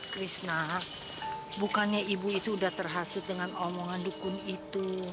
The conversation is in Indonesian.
krishna bukannya ibu itu sudah terhasut dengan omongan dukun itu